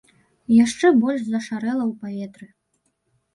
Яшчэ больш зашарэла ў паветры.